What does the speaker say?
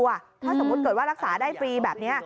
ถ้าสมมุติเกิดว่ารักษาได้ฟรีแบบนี้